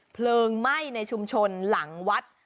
เพลิงไหม้ในชุมชนหลังวัด